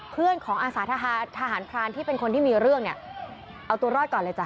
เพื่อนของอาสาทหารพรานที่เป็นคนที่มีเรื่องเนี่ยเอาตัวรอดก่อนเลยจ้